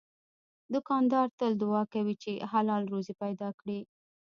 دوکاندار تل دعا کوي چې حلال روزي پیدا کړي.